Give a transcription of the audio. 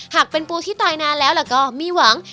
หากเป็นปูที่ตายนานแล้วแล้วก็มีหวัง